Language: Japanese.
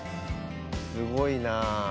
すごいなぁ。